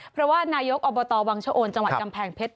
เพราะว่านายกอบตวังชะโอนจังหวัดกำแพงเพชร